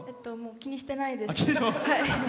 気にしてないです。